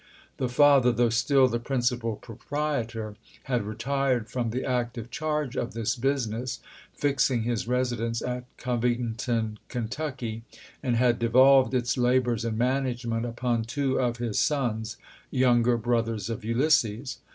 The father, though still the principal proprietor, had retired from the active charge of this business, fixing his residence at Covington, Kentucky, and had devolved its labors and management upon two of his sons, younger brothers of Ulysses.